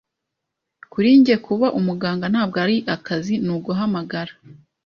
Kuri njye, kuba umuganga ntabwo ari akazi, ni uguhamagara.